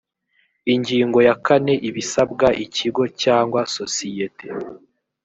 ingingo ya kane ibisabwa ikigo cyangwa sosiyete